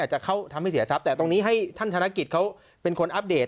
จะเข้าทำให้เสียทรัพย์แต่ตรงนี้ให้ท่านธนกิจเขาเป็นคนอัปเดต